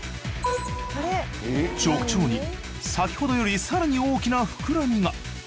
直腸に先ほどより更に大きなふくらみが。